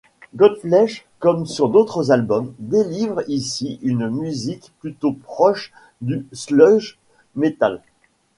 Godflesh, comme sur d'autres albums, délivre ici une musique plutôt proche du sludge metal.